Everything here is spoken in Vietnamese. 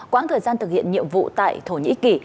quãng thời gian thực hiện nhiệm vụ tại thổ nhĩ kỳ